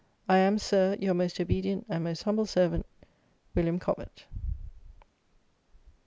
I am, Sir, your most obedient and most humble servant, WM. COBBETT.